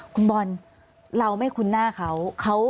คุณบอลเราไม่คุ้นหน้าเขา